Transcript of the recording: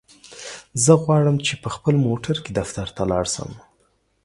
زه غواړم چی په خپل موټرکی دفترته لاړشم.